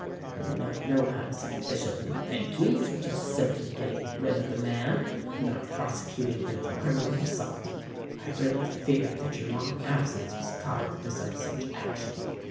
I do not know how to sufficiently thank you for just simply getting rid of the man and not prosecuting him for criminal assault. I really feared that your long absence was caused by some such action.'